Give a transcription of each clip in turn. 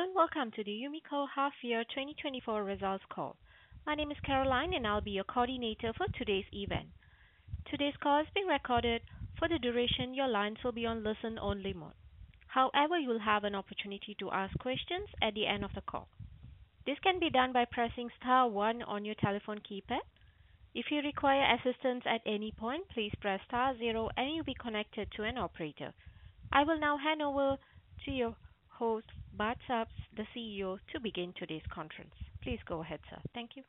Hello and welcome to the Umicore Half-Year 2024 results call. My name is Caroline, and I'll be your coordinator for today's event. Today's call is being recorded for the duration, your lines will be on listen-only mode. However, you'll have an opportunity to ask questions at the end of the call. This can be done by pressing star one on your telephone keypad. If you require assistance at any point, please press star zero, and you'll be connected to an operator. I will now hand over to your host, Bart Sap, the CEO, to begin today's conference. Please go ahead, sir. Thank you.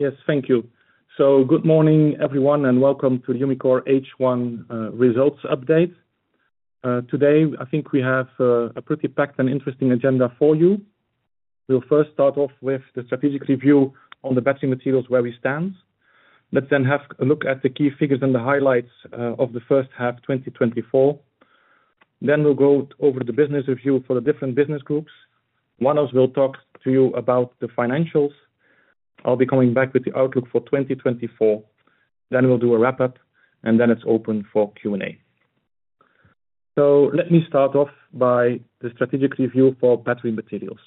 Yes, thank you. Good morning, everyone, and welcome to the Umicore H1 results update. Today, I think we have a pretty packed and interesting agenda for you. We'll first start off with the strategic review on the Battery Materials where we stand. Let's then have a look at the key figures and the highlights of the first half 2024. Then we'll go over the business review for the different business groups. Wannes will talk to you about the financials. I'll be coming back with the outlook for 2024. Then we'll do a wrap-up, and then it's open for Q&A. So let me start off by the strategic review for Battery Materials.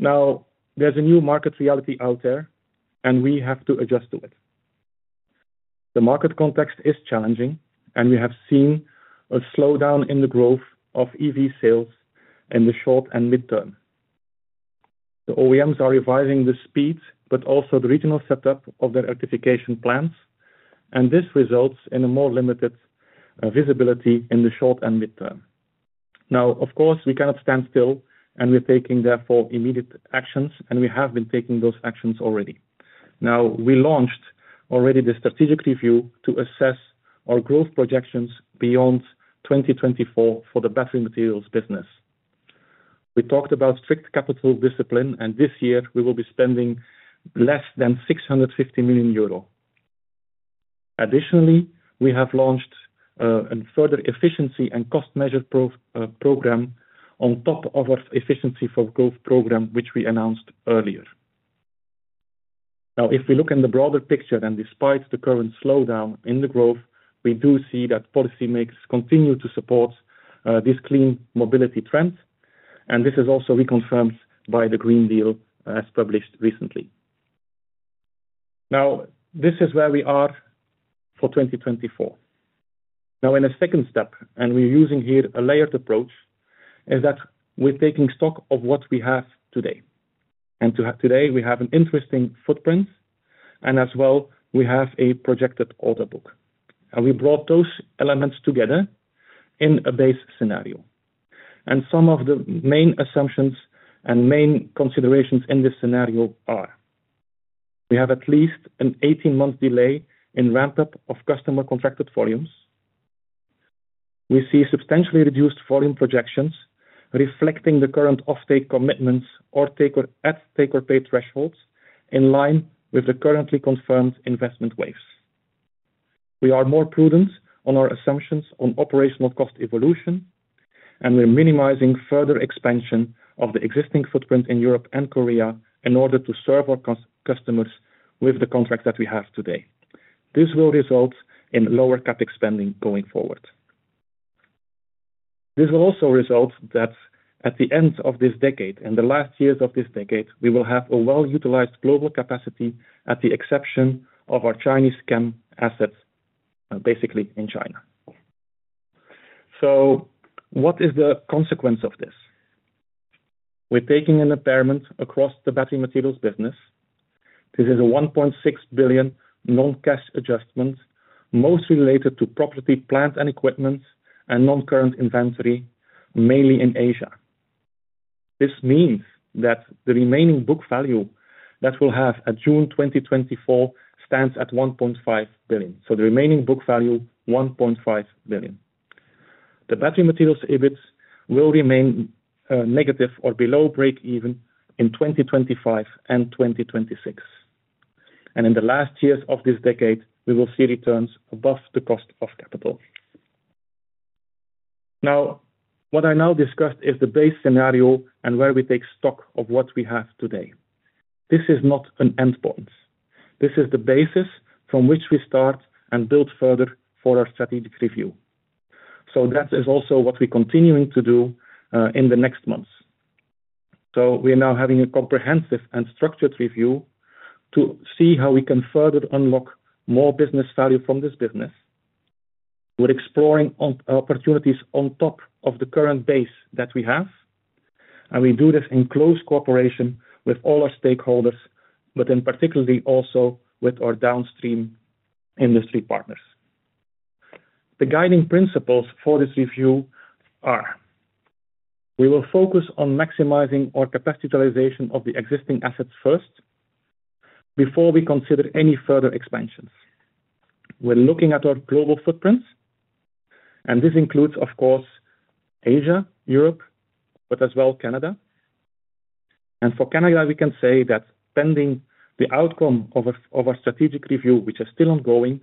Now, there's a new market reality out there, and we have to adjust to it. The market context is challenging, and we have seen a slowdown in the growth of EV sales in the short and midterm. The OEMs are revising the speed, but also the regional setup of their electrification plans, and this results in a more limited visibility in the short and midterm. Now, of course, we cannot stand still, and we're taking, therefore, immediate actions, and we have been taking those actions already. Now, we launched already the strategic review to assess our growth projections beyond 2024 for the Battery Materials business. We talked about strict capital discipline, and this year, we will be spending less than 650 million euro. Additionally, we have launched a further efficiency and cost-measure program on top of our Efficiency for Growth program, which we announced earlier. Now, if we look at the broader picture, and despite the current slowdown in the growth, we do see that policymakers continue to support this clean mobility trend, and this is also reconfirmed by the Green Deal as published recently. Now, this is where we are for 2024. Now, in a second step, and we're using here a layered approach, is that we're taking stock of what we have today. And today, we have an interesting footprint, and as well, we have a projected order book. And we brought those elements together in a base scenario. And some of the main assumptions and main considerations in this scenario are: we have at least an 18-month delay in ramp-up of customer contracted volumes. We see substantially reduced volume projections, reflecting the current off-take commitments at take-or-pay thresholds in line with the currently confirmed investment waves. We are more prudent on our assumptions on operational cost evolution, and we're minimizing further expansion of the existing footprint in Europe and Korea in order to serve our customers with the contract that we have today. This will result in lower CapEx spending going forward. This will also result that at the end of this decade, in the last years of this decade, we will have a well-utilized global capacity at the exception of our Chinese CAM assets, basically in China. So what is the consequence of this? We're taking an impairment across the Battery Materials business. This is a €1.6 billion non-cash adjustment, mostly related to property, plant, and equipment, and non-current inventory, mainly in Asia. This means that the remaining book value that we'll have at June 2024 stands at €1.5 billion. So the remaining book value, €1.5 billion. The Battery Materials EBIT will remain negative or below break-even in 2025 and 2026. In the last years of this decade, we will see returns above the cost of capital. Now, what I now discussed is the base scenario and where we take stock of what we have today. This is not an end point. This is the basis from which we start and build further for our strategic review. That is also what we're continuing to do in the next months. We are now having a comprehensive and structured review to see how we can further unlock more business value from this business. We're exploring opportunities on top of the current base that we have, and we do this in close cooperation with all our stakeholders, but then particularly also with our downstream industry partners. The guiding principles for this review are: we will focus on maximizing our capacity utilization of the existing assets first before we consider any further expansions. We're looking at our global footprints, and this includes, of course, Asia, Europe, but as well Canada. For Canada, we can say that pending the outcome of our strategic review, which is still ongoing,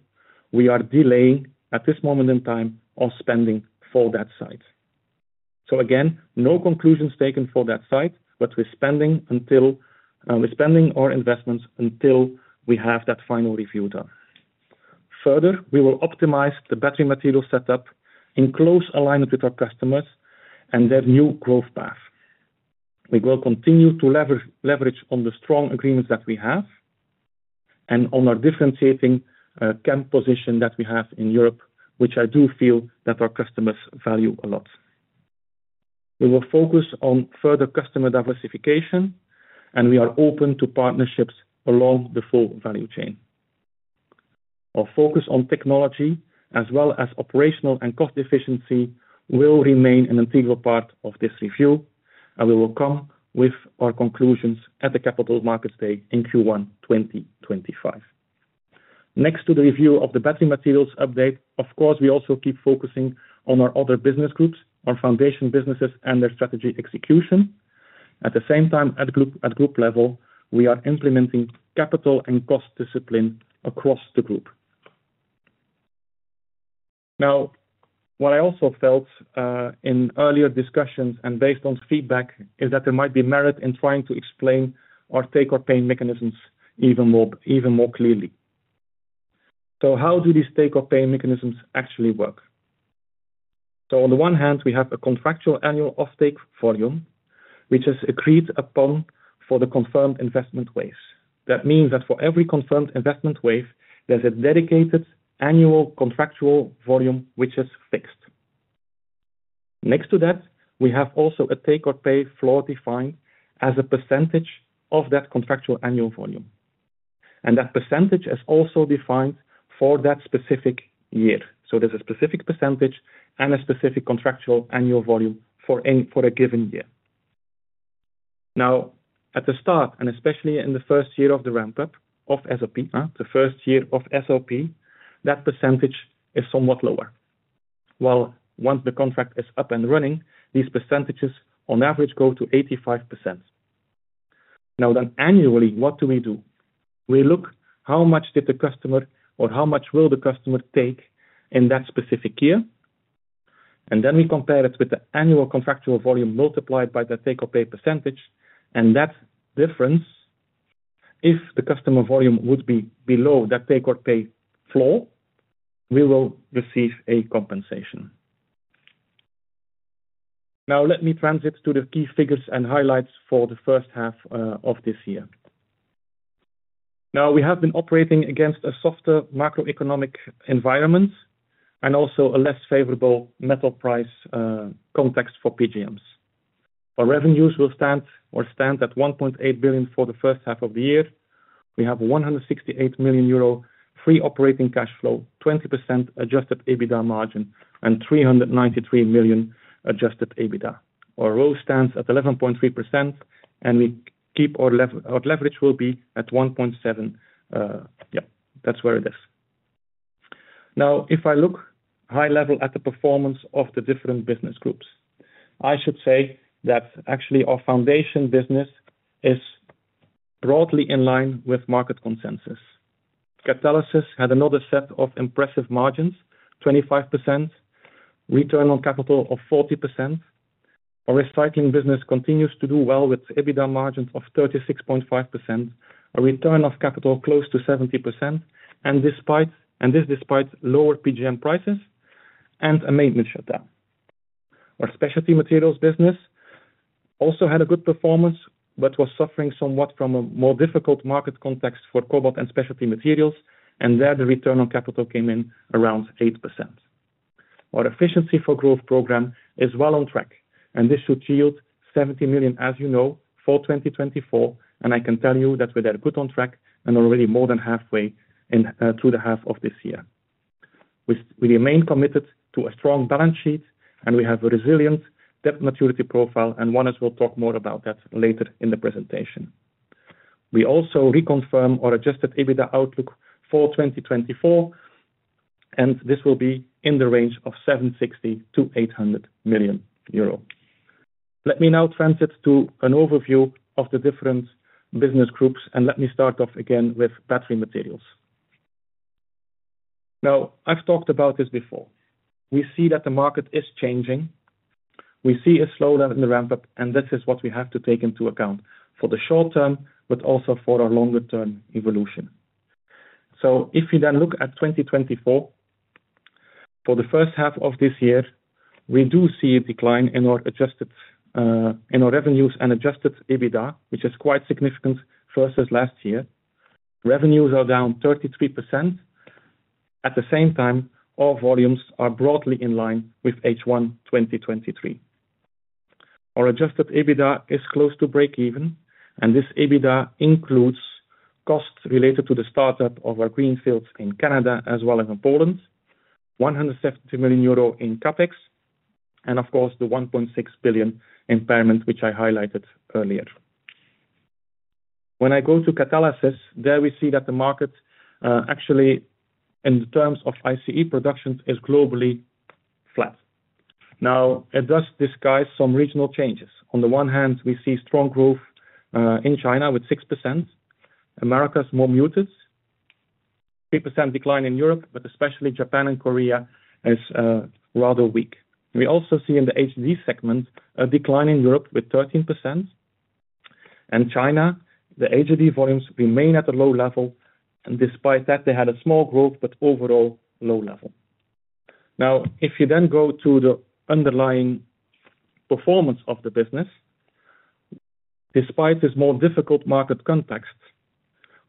we are delaying at this moment in time our spending for that site. Again, no conclusions taken for that site, but we're spending our investments until we have that final review done. Further, we will optimize the battery material setup in close alignment with our customers and their new growth path. We will continue to leverage on the strong agreements that we have and on our differentiating CAM position that we have in Europe, which I do feel that our customers value a lot. We will focus on further customer diversification, and we are open to partnerships along the full value chain. Our focus on technology, as well as operational and cost efficiency, will remain an integral part of this review, and we will come with our conclusions at the Capital Markets Day in Q1 2025. Next to the review of the Battery Materials update, of course, we also keep focusing on our other business groups, our foundation businesses, and their strategy execution. At the same time, at group level, we are implementing capital and cost discipline across the group. Now, what I also felt in earlier discussions and based on feedback is that there might be merit in trying to explain our take-or-pay mechanisms even more clearly. So how do these take-or-pay mechanisms actually work? So on the one hand, we have a contractual annual off-take volume, which is agreed upon for the confirmed investment waves. That means that for every confirmed investment wave, there's a dedicated annual contractual volume, which is fixed. Next to that, we have also a take-or-pay floor defined as a percentage of that contractual annual volume. And that percentage is also defined for that specific year. So there's a specific percentage and a specific contractual annual volume for a given year. Now, at the start, and especially in the first year of the ramp-up of SOP, the first year of SOP, that percentage is somewhat lower. While once the contract is up and running, these percentages on average go to 85%. Now then, annually, what do we do? We look how much did the customer or how much will the customer take in that specific year, and then we compare it with the annual contractual volume multiplied by the take-or-pay percentage, and that difference, if the customer volume would be below that take-or-pay floor, we will receive a compensation. Now, let me transition to the key figures and highlights for the first half of this year. Now, we have been operating against a softer macroeconomic environment and also a less favorable metal price context for PGMs. Our revenues will stand at 1.8 billion for the first half of the year. We have 168 million euro free operating cash flow, 20% Adjusted EBITDA margin, and 393 million Adjusted EBITDA. Our ROCE stands at 11.3%, and our leverage will be at 1.7. Yeah, that's where it is. Now, if I look high level at the performance of the different business groups, I should say that actually our foundation business is broadly in line with market consensus. Catalysis had another set of impressive margins, 25% return on capital of 40%. Our Recycling business continues to do well with EBITDA margins of 36.5%, a return of capital close to 70%, and this despite lower PGM prices and a maintenance shutdown. Our Specialty Materials business also had a good performance but was suffering somewhat from a more difficult market context for cobalt and specialty materials, and there the return on capital came in around 8%. Our Efficiency for Growth program is well on track, and this should yield 70 million, as you know, for 2024, and I can tell you that we're there good on track and already more than halfway in two and a half of this year. We remain committed to a strong balance sheet, and we have a resilient debt maturity profile, and Wannes will talk more about that later in the presentation. We also reconfirm our Adjusted EBITDA outlook for 2024, and this will be in the range of €760-€800 million. Let me now transition to an overview of the different business groups, and let me start off again with Battery Materials. Now, I've talked about this before. We see that the market is changing. We see a slowdown in the ramp-up, and this is what we have to take into account for the short term, but also for our longer-term evolution. So if you then look at 2024, for the first half of this year, we do see a decline in our revenues and Adjusted EBITDA, which is quite significant versus last year. Revenues are down 33%. At the same time, our volumes are broadly in line with H1 2023. Our Adjusted EBITDA is close to break-even, and this EBITDA includes costs related to the startup of our greenfields in Canada as well as in Poland, 170 million euro in CapEx, and of course, the 1.6 billion impairment, which I highlighted earlier. When I go to Catalysis, there we see that the market actually, in terms of ICE productions, is globally flat. Now, it does disguise some regional changes. On the one hand, we see strong growth in China with 6%. Americas more muted. 3% decline in Europe, but especially Japan and Korea is rather weak. We also see in the HDD segment a decline in Europe with 13%. China, the HDD volumes remain at a low level, and despite that, they had a small growth, but overall low level. Now, if you then go to the underlying performance of the business, despite this more difficult market context,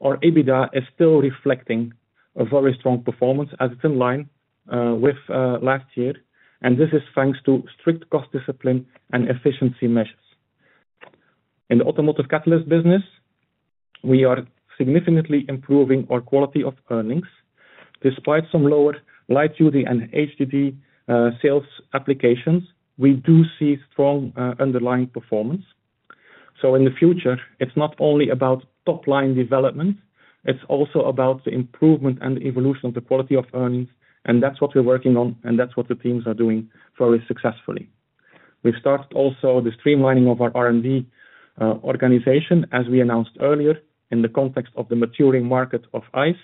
our EBITDA is still reflecting a very strong performance as it's in line with last year, and this is thanks to strict cost discipline and efficiency measures. In the automotive catalyst business, we are significantly improving our quality of earnings. Despite some lower light duty and HDD sales applications, we do see strong underlying performance. So in the future, it's not only about top-line development, it's also about the improvement and the evolution of the quality of earnings, and that's what we're working on, and that's what the teams are doing very successfully. We've started also the streamlining of our R&D organization, as we announced earlier, in the context of the maturing market of ICE,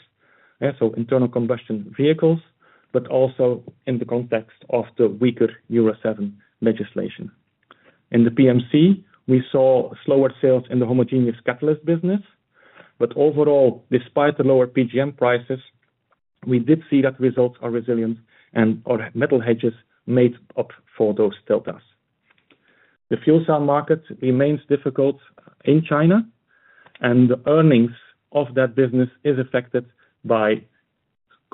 so internal combustion vehicles, but also in the context of the weaker Euro 7 legislation. In the PMC, we saw slower sales in the homogeneous catalyst business, but overall, despite the lower PGM prices, we did see that results are resilient and our metal hedges made up for those hiccups. The fuel cell market remains difficult in China, and the earnings of that business are affected by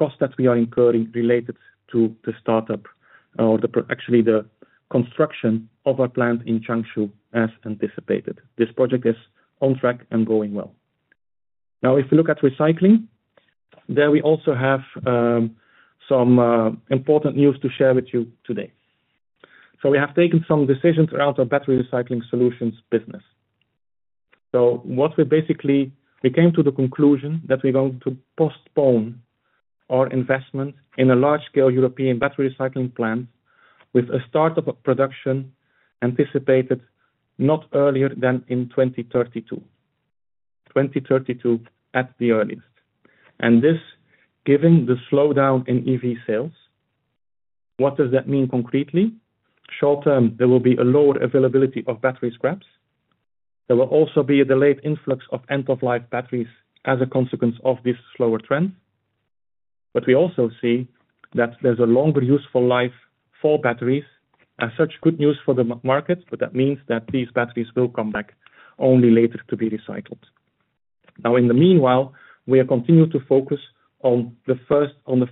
costs that we are incurring related to the startup or actually the construction of our plant in Changshu as anticipated. This project is on track and going well. Now, if we look at Recycling, there we also have some important news to share with you today. So we have taken some decisions around our Battery Recycling Solutions business. So what we basically, we came to the conclusion that we're going to postpone our investment in a large-scale European battery Recycling plant with a startup of production anticipated not earlier than in 2032, 2032 at the earliest. This, given the slowdown in EV sales, what does that mean concretely? Short term, there will be a lower availability of battery scraps. There will also be a delayed influx of end-of-life batteries as a consequence of this slower trend. But we also see that there's a longer useful life for batteries. As such, good news for the market, but that means that these batteries will come back only later to be recycled. Now, in the meanwhile, we are continuing to focus on the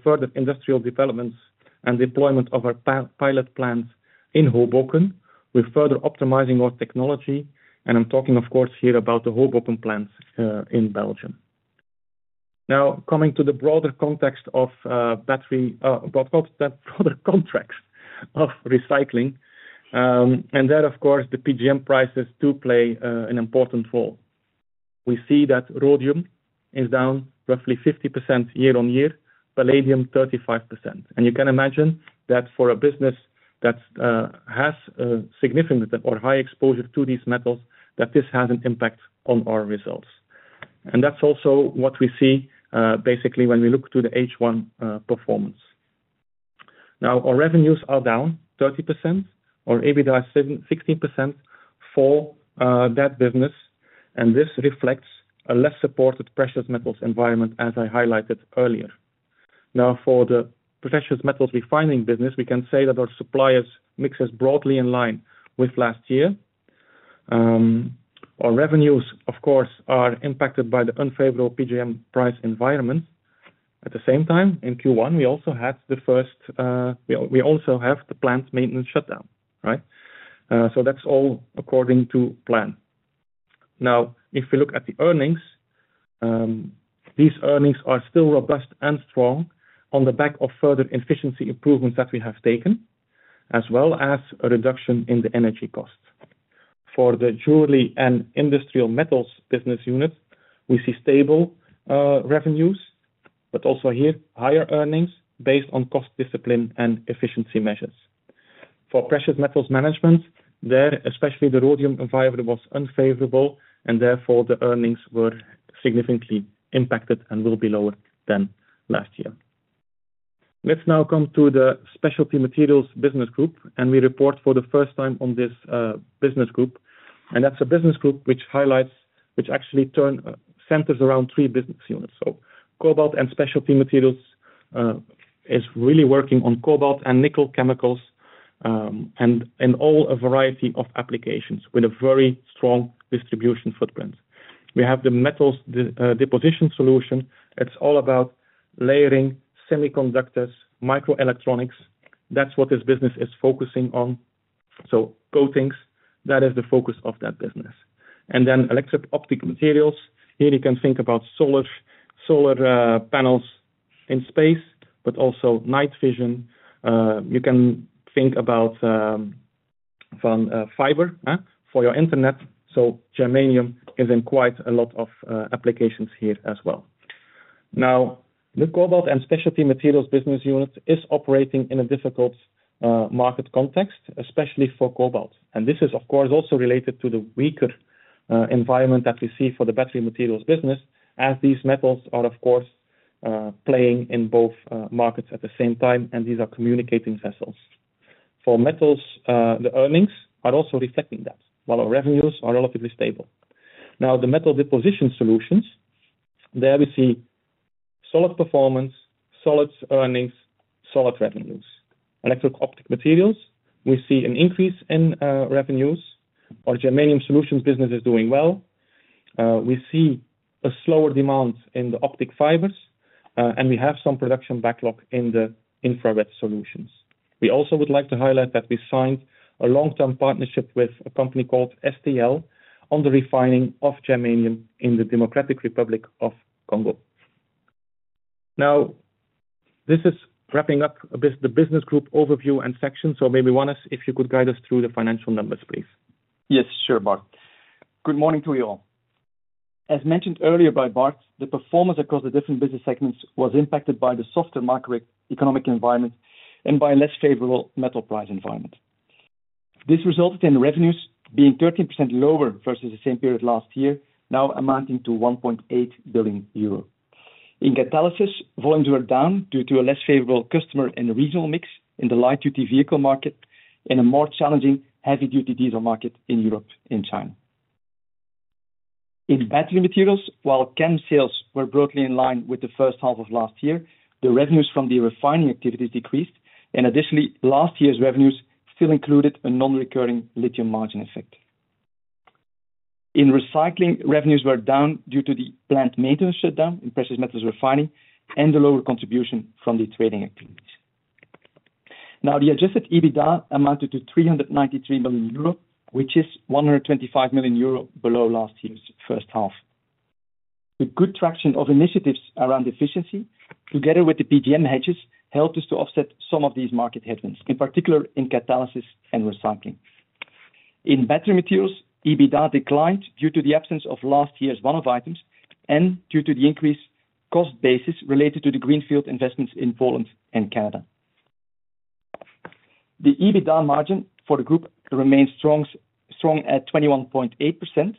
further industrial developments and deployment of our pilot plants in Hoboken. We're further optimizing our technology, and I'm talking, of course, here about the Hoboken plants in Belgium. Now, coming to the broader context of battery prototypes, that broader context of Recycling, and there, of course, the PGM prices do play an important role. We see that rhodium is down roughly 50% year-on-year, palladium 35%. You can imagine that for a business that has significant or high exposure to these metals, that this has an impact on our results. That's also what we see basically when we look to the H1 performance. Now, our revenues are down 30%. Our EBITDA is 16% for that business, and this reflects a less supported precious metals environment, as I highlighted earlier. Now, for the Precious Metals Refining business, we can say that our suppliers' mix is broadly in line with last year. Our revenues, of course, are impacted by the unfavorable PGM price environment. At the same time, in Q1, we also had the first, we also have the plant maintenance shutdown, right? That's all according to plan. Now, if we look at the earnings, these earnings are still robust and strong on the back of further efficiency improvements that we have taken, as well as a reduction in the energy costs. For the Jewelry and Industrial Metals business unit, we see stable revenues, but also here higher earnings based on cost discipline and efficiency measures. For Precious Metals Management, there, especially the rhodium environment was unfavorable, and therefore the earnings were significantly impacted and will be lower than last year. Let's now come to the specialty materials business group, and we report for the first time on this business group, and that's a business group which highlights, which actually centers around three business units. So cobalt and specialty materials is really working on cobalt and nickel chemicals and in all a variety of applications with a very strong distribution footprint. We have the metals deposition solution. It's all about layering semiconductors, microelectronics. That's what this business is focusing on. So coatings, that is the focus of that business. And then Electro-Optic Materials. Here you can think about solar panels in space, but also night vision. You can think about fiber for your internet. So germanium is in quite a lot of applications here as well. Now, the cobalt and Specialty Materials business unit is operating in a difficult market context, especially for cobalt. And this is, of course, also related to the weaker environment that we see for the Battery Materials business, as these metals are, of course, playing in both markets at the same time, and these are communicating vessels. For metals, the earnings are also reflecting that, while our revenues are relatively stable. Metal Deposition Solutions, there we see solid performance, solid earnings, solid revenues. Electro-Optic Materials, we see an increase in revenues. Our germanium solutions business is doing well. We see a slower demand in the optic fibers, and we have some production backlog in the infrared solutions. We also would like to highlight that we signed a long-term partnership with a company called STL on the refining of germanium in the Democratic Republic of Congo. Now, this is wrapping up the business group overview and section, so maybe Wannes, if you could guide us through the financial numbers, please. Yes, sure, Bart. Good morning to you all. As mentioned earlier by Bart, the performance across the different business segments was impacted by the softer macroeconomic environment and by a less favorable metal price environment. This resulted in revenues being 13% lower versus the same period last year, now amounting to 1.8 billion euro. In Catalysis, volumes were down due to a less favorable customer and regional mix in the light duty vehicle market and a more challenging heavy-duty diesel market in Europe and China. In Battery Materials, while CAM sales were broadly in line with the first half of last year, the revenues from the refining activities decreased, and additionally, last year's revenues still included a non-recurring lithium margin effect. In Recycling, revenues were down due to the plant maintenance shutdown in Precious Metals Refining and the lower contribution from the trading activities. Now, the Adjusted EBITDA amounted to 393 million euro, which is 125 million euro below last year's first half. The good traction of initiatives around efficiency, together with the PGM hedges, helped us to offset some of these market headwinds, in particular in Catalysis and Recycling. In Battery Materials, EBITDA declined due to the absence of last year's one-off items and due to the increased cost basis related to the greenfield investments in Poland and Canada. The EBITDA margin for the group remained strong at 21.8%.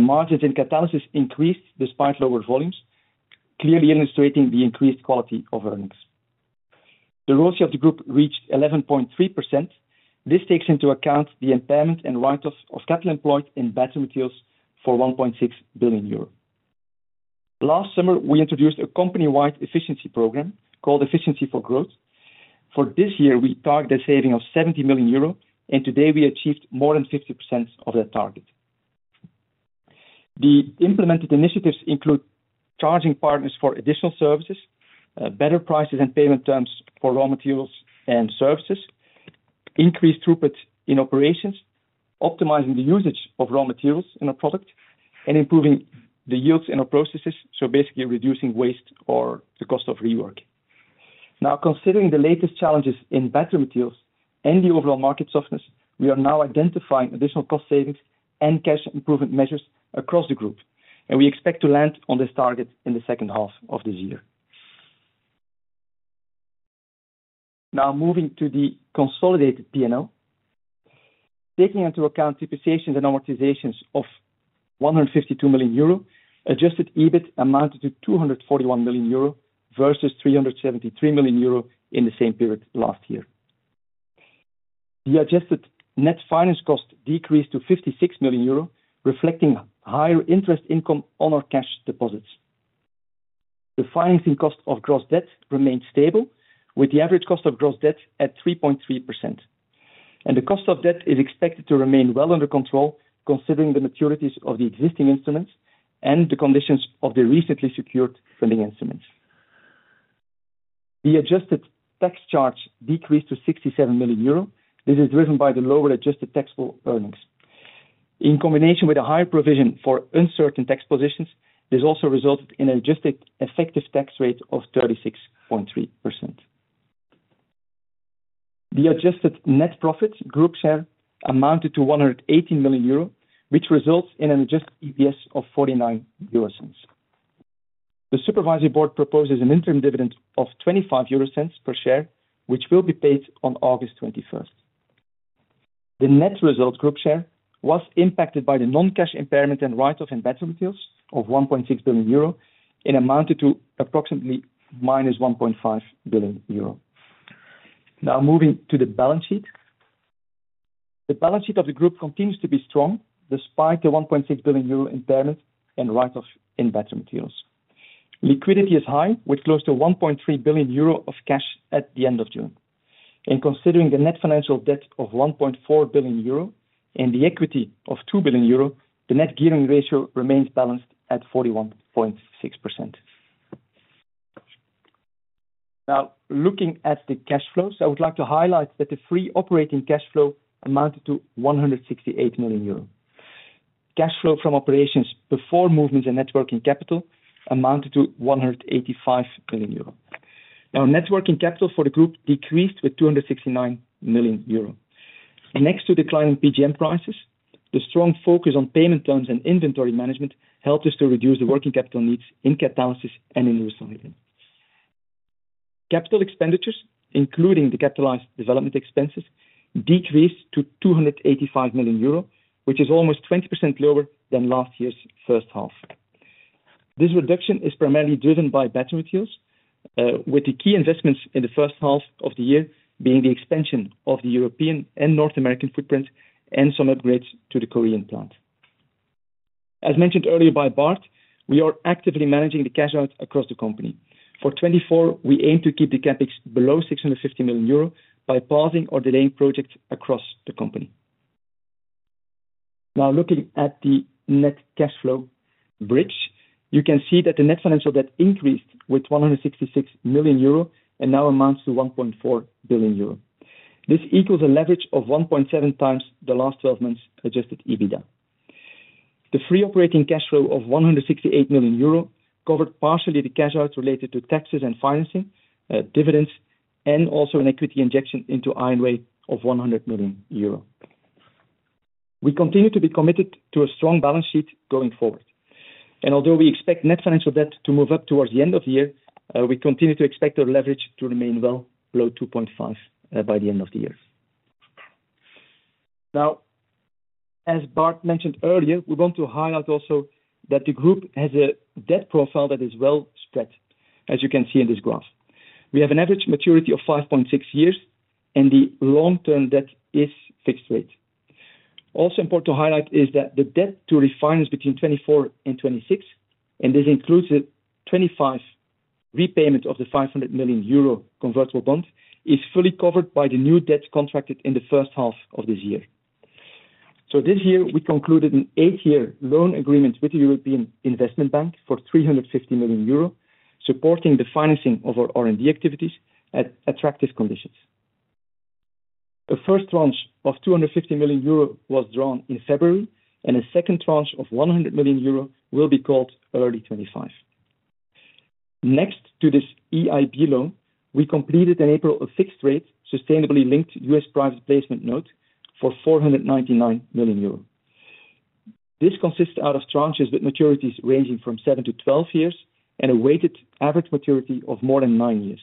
Margins in Catalysis increased despite lower volumes, clearly illustrating the increased quality of earnings. The ROCE of the group reached 11.3%. This takes into account the impairment and write-off of capital employed in Battery Materials for 1.6 billion euros. Last summer, we introduced a company-wide efficiency program called Efficiency for Growth. For this year, we targeted a saving of 70 million euro, and today we achieved more than 50% of that target. The implemented initiatives include charging partners for additional services, better prices and payment terms for raw materials and services, increased throughput in operations, optimizing the usage of raw materials in our product, and improving the yields in our processes, so basically reducing waste or the cost of rework. Now, considering the latest challenges in Battery Materials and the overall market softness, we are now identifying additional cost savings and cash improvement measures across the group, and we expect to land on this target in the second half of this year. Now, moving to the consolidated P&L. Taking into account depreciations and amortizations of 152 million euro, Adjusted EBIT amounted to 241 million euro versus 373 million euro in the same period last year. The adjusted net finance cost decreased to 56 million euro, reflecting higher interest income on our cash deposits. The financing cost of gross debt remained stable, with the average cost of gross debt at 3.3%. The cost of debt is expected to remain well under control, considering the maturities of the existing instruments and the conditions of the recently secured funding instruments. The adjusted tax charge decreased to 67 million euro. This is driven by the lower adjusted taxable earnings. In combination with a higher provision for uncertain tax positions, this also resulted in an adjusted effective tax rate of 36.3%. The adjusted net profit group share amounted to 118 million euro, which results in an Adjusted EPS of 0.49. The supervisory board proposes an interim dividend of 0.25 per share, which will be paid on August 21st. The net result group share was impacted by the non-cash impairment and write-off in Battery Materials of 1.6 billion euro, which amounted to approximately 1.5 billion euro. Now, moving to the balance sheet. The balance sheet of the group continues to be strong despite the 1.6 billion euro impairment and write-off in Battery Materials. Liquidity is high, with close to 1.3 billion euro of cash at the end of June. Considering the net financial debt of 1.4 billion euro and the equity of 2 billion euro, the net gearing ratio remains balanced at 41.6%. Now, looking at the cash flows, I would like to highlight that the free operating cash flow amounted to 168 million euros. Cash flow from operations before movements and net working capital amounted to 185 million euro. Now, net working capital for the group decreased with 269 million euro. Next to declining PGM prices, the strong focus on payment terms and inventory management helped us to reduce the working capital needs in Catalysis and in Recycling. Capital expenditures, including the capitalized development expenses, decreased to 285 million euro, which is almost 20% lower than last year's first half. This reduction is primarily driven by Battery Materials, with the key investments in the first half of the year being the expansion of the European and North American footprint and some upgrades to the Korean plant. As mentioned earlier by Bart, we are actively managing the cash out across the company. For 2024, we aim to keep the CapEx below 650 million euro by pausing or delaying projects across the company. Now, looking at the net cash flow bridge, you can see that the net financial debt increased with 166 million euro and now amounts to 1.4 billion euro. This equals a leverage of 1.7x the last 12 months' Adjusted EBITDA. The free operating cash flow of 168 million euro covered partially the cash out related to taxes and financing, dividends, and also an equity injection into IONWAY of 100 million euro. We continue to be committed to a strong balance sheet going forward. Although we expect net financial debt to move up towards the end of the year, we continue to expect our leverage to remain well below 2.5 by the end of the year. Now, as Bart mentioned earlier, we want to highlight also that the group has a debt profile that is well spread, as you can see in this graph. We have an average maturity of 5.6 years, and the long-term debt is fixed rate. Also important to highlight is that the debt to refinance between 2024 and 2026, and this includes the 2025 repayment of the 500 million euro convertible bond, is fully covered by the new debt contracted in the first half of this year. So this year, we concluded an 8-year loan agreement with the European Investment Bank for 350 million euro, supporting the financing of our R&D activities at attractive conditions. A first tranche of €250 million was drawn in February, and a second tranche of €100 million will be called early 2025. Next to this EIB loan, we completed in April a fixed rate sustainably linked U.S. private placement note for €499 million. This consists of tranches with maturities ranging from 7 to 12 years and a weighted average maturity of more than 9 years.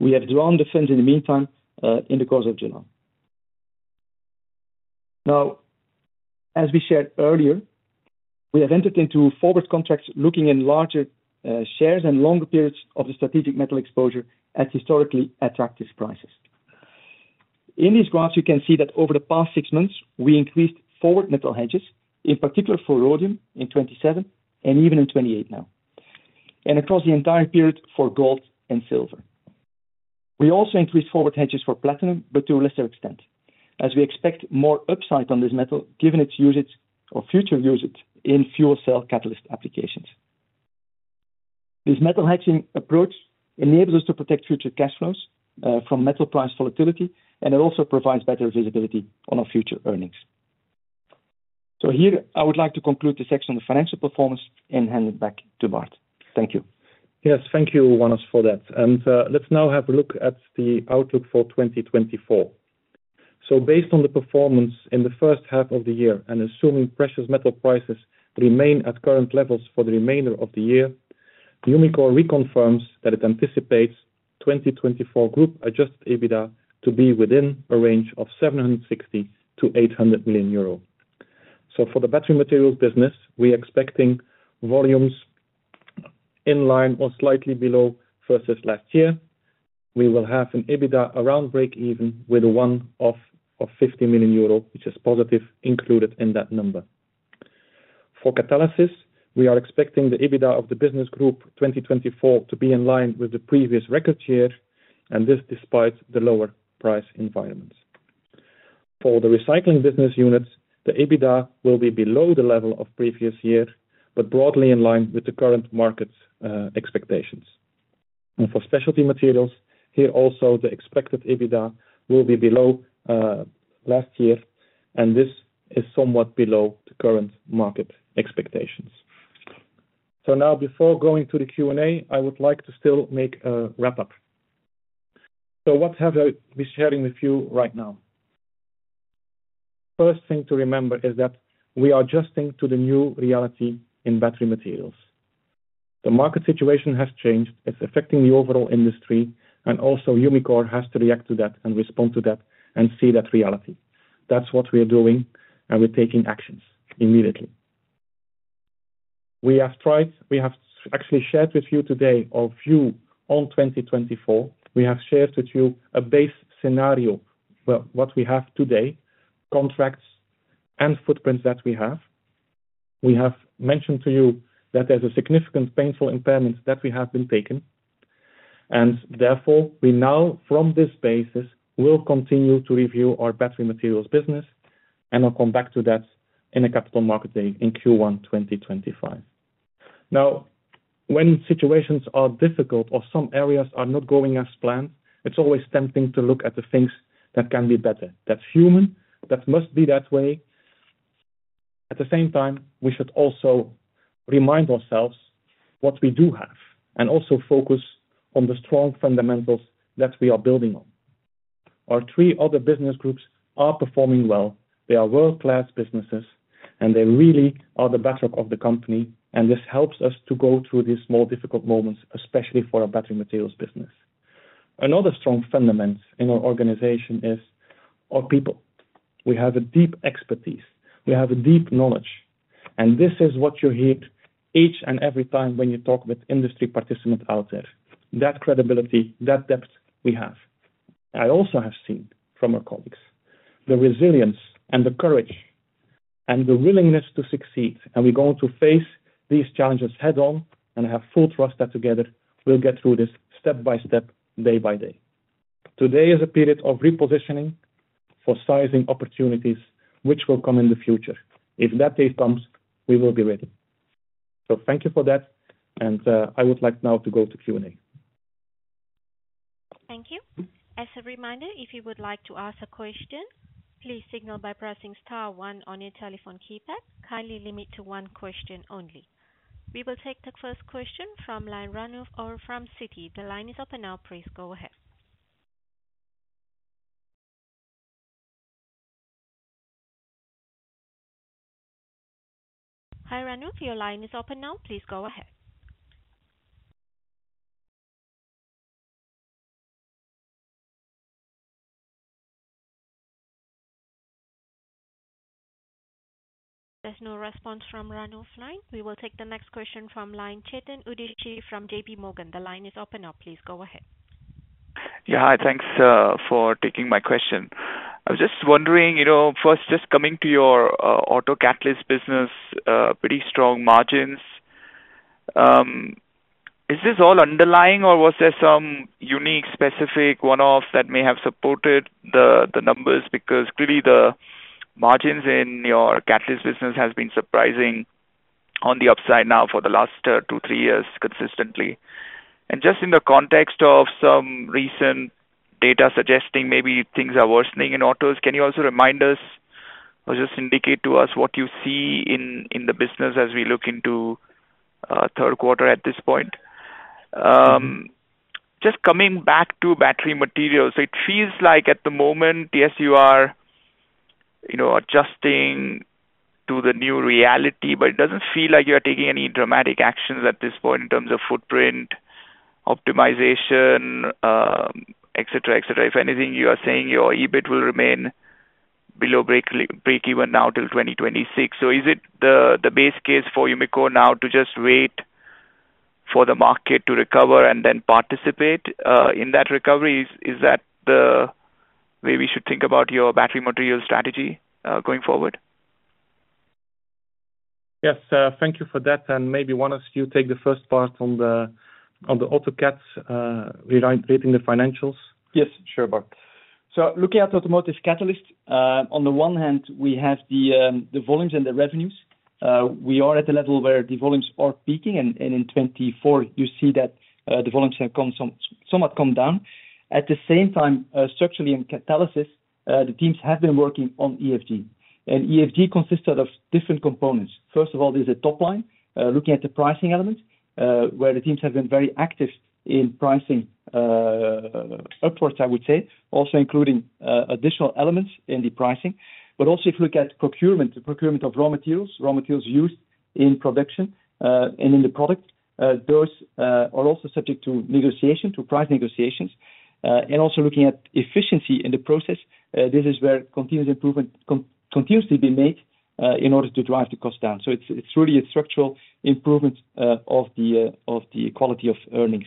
We have drawn the funds in the meantime in the course of July. Now, as we shared earlier, we have entered into forward contracts locking in larger shares and longer periods of the strategic metal exposure at historically attractive prices. In these graphs, you can see that over the past six months, we increased forward metal hedges, in particular for rhodium in 2027 and even in 2028 now, and across the entire period for gold and silver. We also increased forward hedges for platinum, but to a lesser extent, as we expect more upside on this metal given its usage or future usage in fuel cell catalyst applications. This metal hedging approach enables us to protect future cash flows from metal price volatility, and it also provides better visibility on our future earnings. So here, I would like to conclude the section on the financial performance and hand it back to Bart. Thank you. Yes, thank you, Wannes, for that. And let's now have a look at the outlook for 2024. So based on the performance in the first half of the year and assuming precious metal prices remain at current levels for the remainder of the year, Umicore reconfirms that it anticipates 2024 group Adjusted EBITDA to be within a range of 760 million-800 million euro. So for the Battery Materials business, we are expecting volumes in line or slightly below versus last year. We will have an EBITDA around break-even with a one-off of 50 million euro, which is positive included in that number. For Catalysis, we are expecting the EBITDA of the business group 2024 to be in line with the previous record year, and this despite the lower price environments. For the Recycling business units, the EBITDA will be below the level of previous year, but broadly in line with the current market expectations. For specialty materials, here also, the expected EBITDA will be below last year, and this is somewhat below the current market expectations. So now, before going to the Q&A, I would like to still make a wrap-up. So what have I been sharing with you right now? First thing to remember is that we are adjusting to the new reality in Battery Materials. The market situation has changed. It's affecting the overall industry, and also Umicore has to react to that and respond to that and see that reality. That's what we are doing, and we're taking actions immediately. We have tried, we have actually shared with you today a view on 2024. We have shared with you a base scenario, what we have today, contracts and footprints that we have. We have mentioned to you that there's a significant painful impairment that we have taken. And therefore, we now, from this basis, will continue to review our Battery Materials business, and I'll come back to that in a Capital Markets Day in Q1 2025. Now, when situations are difficult or some areas are not going as planned, it's always tempting to look at the things that can be better. That's human. That must be that way. At the same time, we should also remind ourselves what we do have and also focus on the strong fundamentals that we are building on. Our three other business groups are performing well. They are world-class businesses, and they really are the backdrop of the company. And this helps us to go through these more difficult moments, especially for our Battery Materials business. Another strong fundamental in our organization is our people. We have a deep expertise. We have a deep knowledge. And this is what you hear each and every time when you talk with industry participants out there. That credibility, that depth we have. I also have seen from our colleagues the resilience and the courage and the willingness to succeed. And we're going to face these challenges head-on and have full trust that together we'll get through this step by step, day by day. Today is a period of repositioning for seizing opportunities, which will come in the future. If that day comes, we will be ready. So thank you for that. And I would like now to go to Q&A. Thank you. As a reminder, if you would like to ask a question, please signal by pressing star one on your telephone keypad. Kindly limit to one question only. We will take the first question from Ranulf Orr from Citi. The line is open now. Please go ahead. Hi, Ranulf. Your line is open now. Please go ahead. There's no response from Ranulf line. We will take the next question from the line of Chetan Udeshi from J.P. Morgan. The line is open now. Please go ahead. Yeah, hi. Thanks for taking my question. I was just wondering, first, just coming to your auto catalyst business, pretty strong margins. Is this all underlying, or was there some unique specific one-off that may have supported the numbers? Because clearly, the margins in your catalyst business have been surprising on the upside now for the last two, three years consistently. And just in the context of some recent data suggesting maybe things are worsening in autos, can you also remind us or just indicate to us what you see in the business as we look into third quarter at this point? Just coming back to Battery Materials, it feels like at the moment, yes, you are adjusting to the new reality, but it doesn't feel like you are taking any dramatic actions at this point in terms of footprint optimization, etc., etc. If anything, you are saying your EBIT will remain below break-even now till 2026. So is it the base case for Umicore now to just wait for the market to recover and then participate in that recovery? Is that the way we should think about your Battery Materials strategy going forward? Yes, thank you for that. And maybe Wannes, you take the first part on the automotive catalyst, regarding the financials. Yes, sure, Bart. So looking at automotive catalyst, on the one hand, we have the volumes and the revenues. We are at a level where the volumes are peaking. In 2024, you see that the volumes have somewhat come down. At the same time, structurally in Catalysis, the teams have been working on EFG. And EFG consists out of different components. First of all, there's a top line looking at the pricing elements where the teams have been very active in pricing upwards, I would say, also including additional elements in the pricing. But also, if you look at procurement, the procurement of raw materials, raw materials used in production and in the product, those are also subject to negotiation, to price negotiations. And also looking at efficiency in the process, this is where continuous improvement continues to be made in order to drive the cost down. So it's really a structural improvement of the quality of earnings.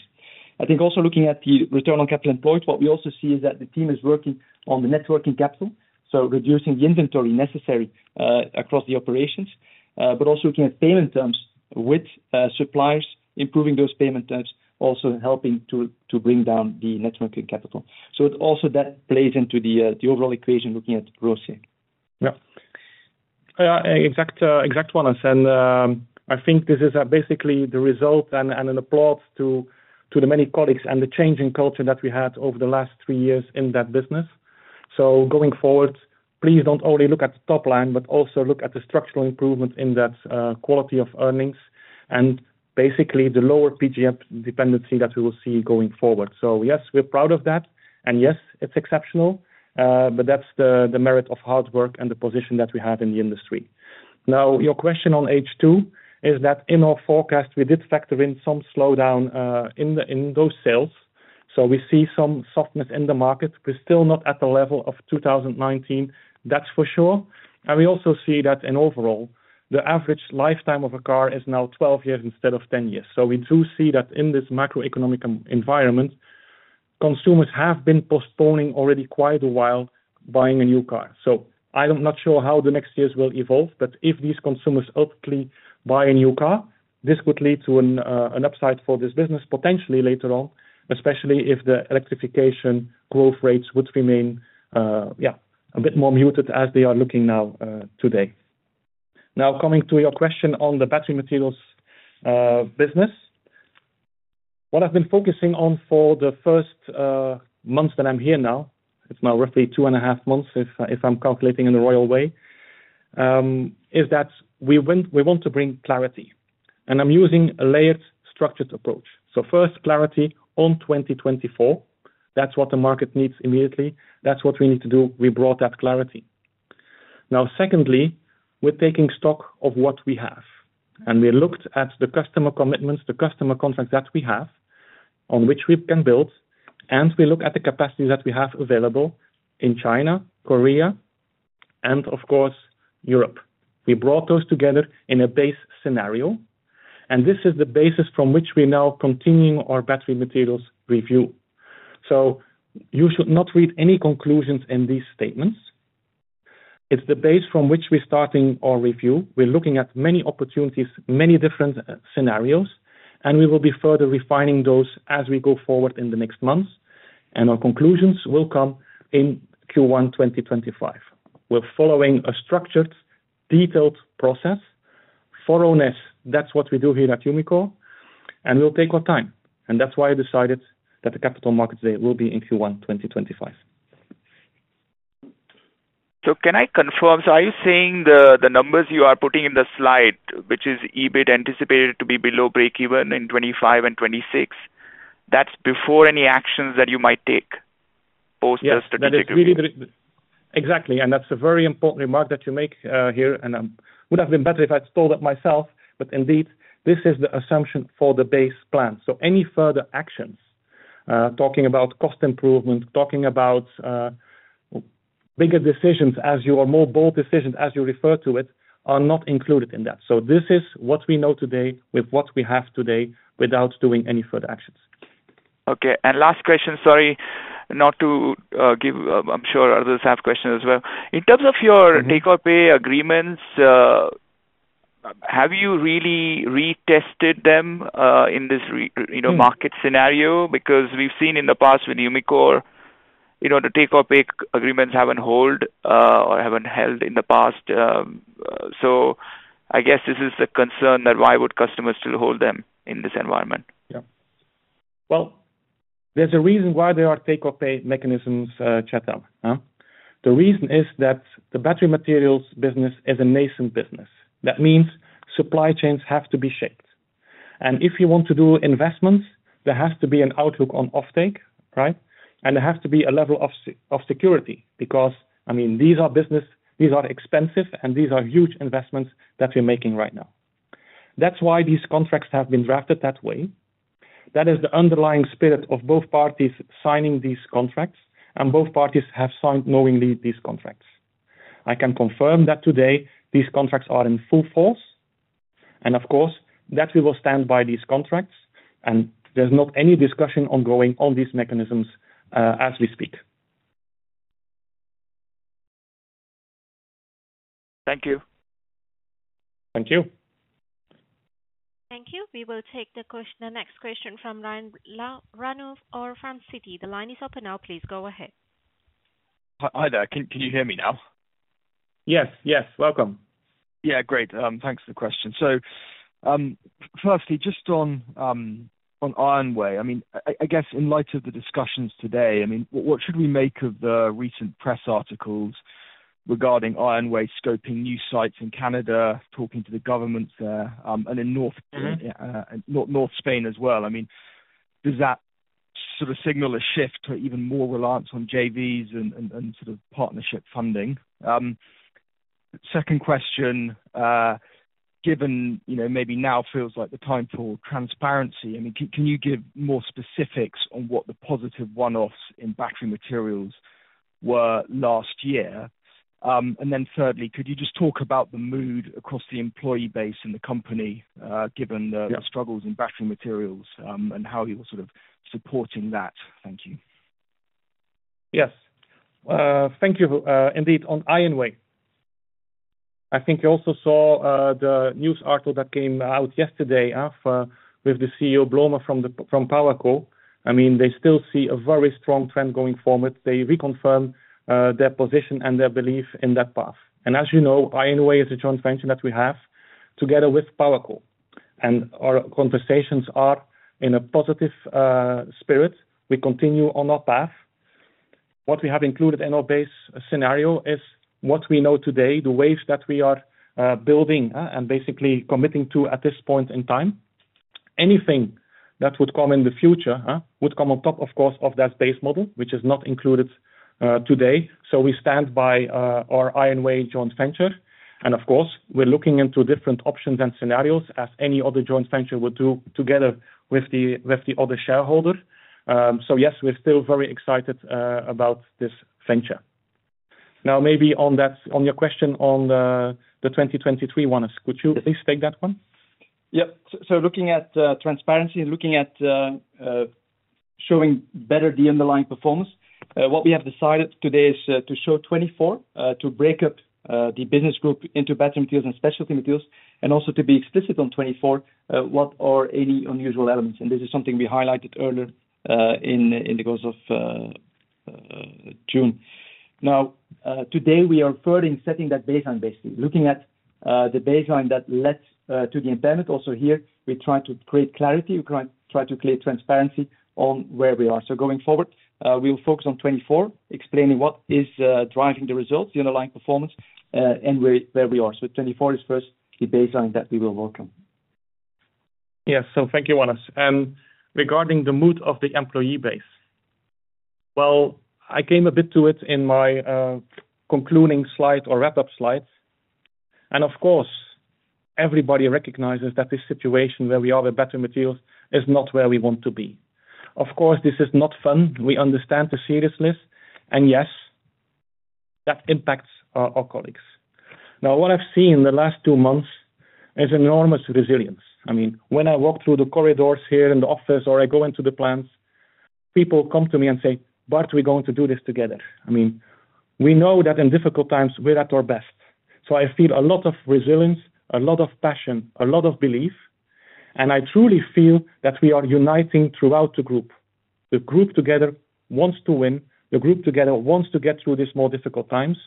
I think also looking at the return on capital employed, what we also see is that the team is working on the net working capital, so reducing the inventory necessary across the operations, but also looking at payment terms with suppliers, improving those payment terms, also helping to bring down the net working capital. So also that plays into the overall equation looking at the process. Yeah. Exactly, Wannes. And I think this is basically the result and an applause to the many colleagues and the change in culture that we had over the last three years in that business. So going forward, please don't only look at the top line, but also look at the structural improvement in that quality of earnings and basically the lower PGM dependency that we will see going forward. So yes, we're proud of that. Yes, it's exceptional, but that's the merit of hard work and the position that we have in the industry. Now, your question on H2 is that in our forecast, we did factor in some slowdown in those sales. So we see some softness in the market, but still not at the level of 2019, that's for sure. And we also see that in overall, the average lifetime of a car is now 12 years instead of 10 years. So we do see that in this macroeconomic environment, consumers have been postponing already quite a while buying a new car. So I'm not sure how the next years will evolve, but if these consumers ultimately buy a new car, this would lead to an upside for this business potentially later on, especially if the electrification growth rates would remain, yeah, a bit more muted as they are looking now today. Now, coming to your question on the Battery Materials business, what I've been focusing on for the first months that I'm here now, it's now roughly two and a half months if I'm calculating in the royal way, is that we want to bring clarity. And I'm using a layered structured approach. So first, clarity on 2024, that's what the market needs immediately. That's what we need to do. We brought that clarity. Now, secondly, we're taking stock of what we have. And we looked at the customer commitments, the customer contracts that we have on which we can build. We look at the capacity that we have available in China, Korea, and of course, Europe. We brought those together in a base scenario. This is the basis from which we're now continuing our Battery Materials review. So you should not read any conclusions in these statements. It's the base from which we're starting our review. We're looking at many opportunities, many different scenarios, and we will be further refining those as we go forward in the next months. Our conclusions will come in Q1 2025. We're following a structured, detailed process. Thoroughness, that's what we do here at Umicore. We'll take our time. That's why I decided that the Capital Markets Day will be in Q1 2025. So can I confirm? So are you saying the numbers you are putting in the slide, which is EBIT anticipated to be below break-even in 2025 and 2026, that's before any actions that you might take post the strategic review? Exactly. And that's a very important remark that you make here. And it would have been better if I'd spelled it myself, but indeed, this is the assumption for the base plan. So any further actions, talking about cost improvement, talking about bigger decisions as you or more bold decisions, as you refer to it, are not included in that. So this is what we know today with what we have today without doing any further actions. Okay. And last question, sorry, not to give I'm sure others have questions as well. In terms of your take-or-pay agreements, have you really retested them in this market scenario? Because we've seen in the past with Umicore, the take-or-pay agreements haven't held in the past. So I guess this is the concern that why would customers still hold them in this environment? Yeah. Well, there's a reason why there are take-or-pay mechanisms, Chatham. The reason is that the Battery Materials business is a nascent business. That means supply chains have to be shaped. And if you want to do investments, there has to be an outlook on offtake, right? And there has to be a level of security because, I mean, these are business, these are expensive, and these are huge investments that we're making right now. That's why these contracts have been drafted that way. That is the underlying spirit of both parties signing these contracts, and both parties have signed knowingly these contracts. I can confirm that today these contracts are in full force. And of course, that we will stand by these contracts. And there's not any discussion ongoing on these mechanisms as we speak. Thank you. Thank you. Thank you. We will take the next question from line Ranulf Orr from Citi. The line is open now. Please go ahead. Hi there. Can you hear me now? Yes, yes. Welcome. Yeah, great. Thanks for the question. So firstly, just on IONWAY, I mean, I guess in light of the discussions today, I mean, what should we make of the recent press articles regarding IONWAY scoping new sites in Canada, talking to the government there, and in North Spain as well? I mean, does that sort of signal a shift to even more reliance on JVs and sort of partnership funding? Second question, given maybe now feels like the time for transparency, I mean, can you give more specifics on what the positive one-offs in Battery Materials were last year? And then thirdly, could you just talk about the mood across the employee base in the company given the struggles in Battery Materials and how you were sort of supporting that? Thank you. Yes. Thank you. Indeed, on IONWAY, I think you also saw the news article that came out yesterday with the CEO, Blome, from PowerCo. I mean, they still see a very strong trend going forward. They reconfirm their position and their belief in that path. And as you know, IONWAY is a joint venture that we have together with PowerCo. And our conversations are in a positive spirit. We continue on our path. What we have included in our base scenario is what we know today, the waves that we are building and basically committing to at this point in time. Anything that would come in the future would come on top, of course, of that base model, which is not included today. So we stand by our IONWAY joint venture. And of course, we're looking into different options and scenarios as any other joint venture would do together with the other shareholder. So yes, we're still very excited about this venture. Now, maybe on your question on the 2023 one, could you please take that one? Yep. So looking at transparency, looking at showing better the underlying performance, what we have decided today is to show 2024, to break up the business group into Battery Materials and specialty materials, and also to be explicit on 2024, what are any unusual elements. This is something we highlighted earlier in the course of June. Now, today, we are furthering setting that baseline, basically, looking at the baseline that led to the impairment. Also here, we try to create clarity. We try to create transparency on where we are. So going forward, we will focus on 2024, explaining what is driving the results, the underlying performance, and where we are. So 2024 is first, the baseline that we will work on. Yes. So thank you, Wannes. And regarding the mood of the employee base, well, I came a bit to it in my concluding slide or wrap-up slide. And of course, everybody recognizes that this situation where we are with Battery Materials is not where we want to be. Of course, this is not fun. We understand the seriousness. And yes, that impacts our colleagues. Now, what I've seen in the last two months is enormous resilience. I mean, when I walk through the corridors here in the office or I go into the plants, people come to me and say, "Bart, we're going to do this together." I mean, we know that in difficult times, we're at our best. So I feel a lot of resilience, a lot of passion, a lot of belief. And I truly feel that we are uniting throughout the group. The group together wants to win. The group together wants to get through these more difficult times.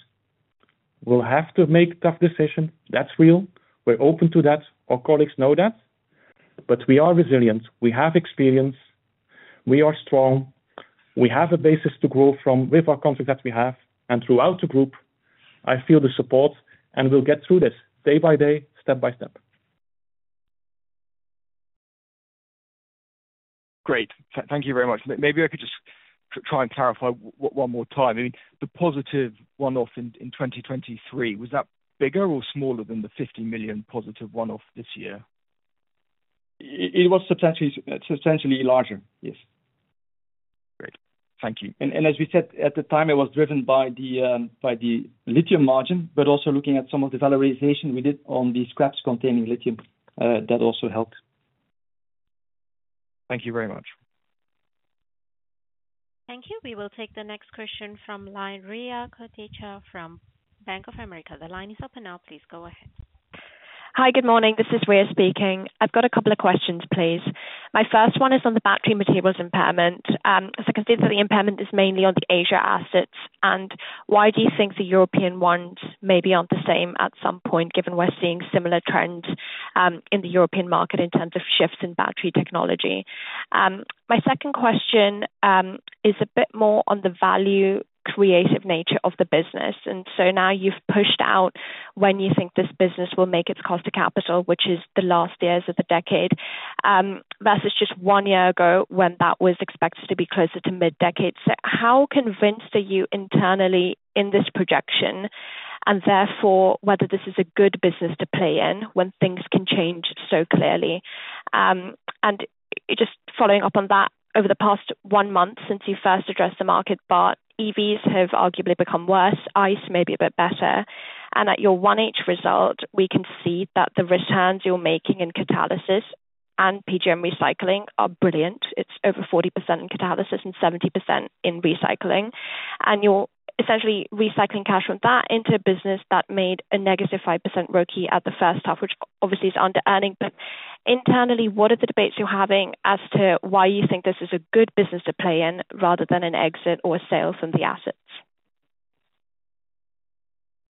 We'll have to make tough decisions. That's real. We're open to that. Our colleagues know that. But we are resilient. We have experience. We are strong. We have a basis to grow from with our conflict that we have. And throughout the group, I feel the support. And we'll get through this day by day, step by step. Great. Thank you very much. Maybe I could just try and clarify one more time. I mean, the positive one-off in 2023, was that bigger or smaller than the 50 million positive one-off this year? It was substantially larger. Yes. Great. Thank you. And as we said at the time, it was driven by the lithium margin, but also looking at some of the valorization we did on the scraps containing lithium, that also helped. Thank you very much. Thank you. We will take the next question from Line Riya Kotecha from Bank of America. The line is open now. Please go ahead. Hi, good morning. This is Riya speaking. I've got a couple of questions, please. My first one is on the Battery Materials impairment. As I can see, the impairment is mainly on the Asia assets. Why do you think the European ones may be on the same at some point, given we're seeing similar trends in the European market in terms of shifts in battery technology? My second question is a bit more on the value creative nature of the business. So now you've pushed out when you think this business will make its cost of capital, which is the last years of the decade, versus just one year ago when that was expected to be closer to mid-decade. So how convinced are you internally in this projection and therefore whether this is a good business to play in when things can change so clearly? Just following up on that, over the past one month since you first addressed the market, EVs have arguably become worse. ICE may be a bit better. At your H1 result, we can see that the returns you're making in Catalysis and PGM Recycling are brilliant. It's over 40% in Catalysis and 70% in Recycling. You're essentially Recycling cash from that into a business that made a -5% ROIC at the first half, which obviously is underearning. But internally, what are the debates you're having as to why you think this is a good business to play in rather than an exit or a sale from the assets?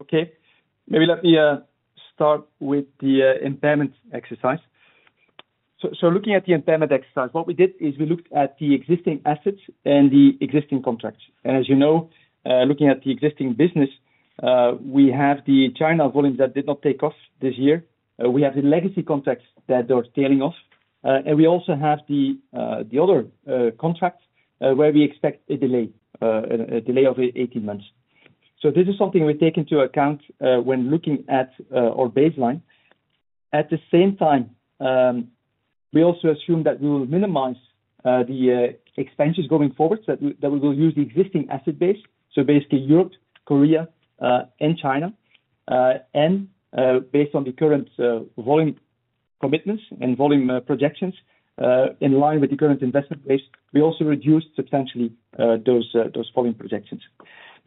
Okay. Maybe let me start with the impairment exercise. So looking at the impairment exercise, what we did is we looked at the existing assets and the existing contracts. As you know, looking at the existing business, we have the China volume that did not take off this year. We have the legacy contracts that are tailing off. We also have the other contract where we expect a delay of 18 months. This is something we take into account when looking at our baseline. At the same time, we also assume that we will minimize the expenses going forward, that we will use the existing asset base. Basically, Europe, Korea, and China. Based on the current volume commitments and volume projections in line with the current investment base, we also reduced substantially those volume projections.